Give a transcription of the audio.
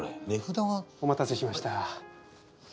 お待たせしました。